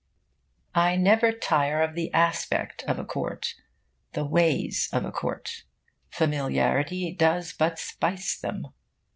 I never tire of the aspect of a court, the ways of a court. Familiarity does but spice them.